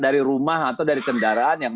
dari rumah atau dari kendaraan yang